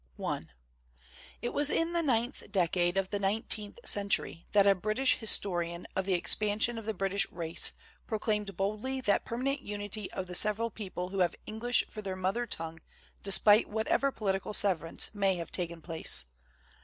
TT was in the ninth decade of the nineteenth century that a British historian of the ex pansion of the British race proclaimed boldly the permanent unity of the several peoples who have English for their mother tongue despite whatever political severance may have taken place.